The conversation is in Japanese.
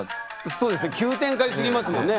そうですね急展開すぎますもんね。